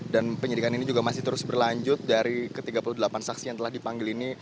dan penyelidikan ini juga masih terus berlanjut dari ke tiga puluh delapan saksi yang telah dipanggil ini